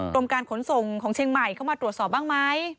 กรมการขนส่งของเชียงใหม่เข้ามาตรวจสอบบ้างไหม